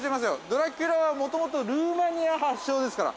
ドラキュラは、もともとルーマニア発祥ですから。